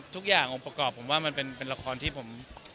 ทุกอย่างองค์ประกอบผมว่ามันเป็นละครที่ผม